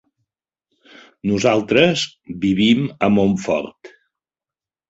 Nosaltres vivim a Montfort.